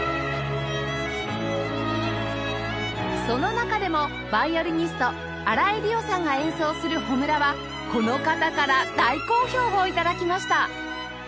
その中でもヴァイオリニスト荒井里桜さんが演奏する『炎』はこの方から大好評を頂きました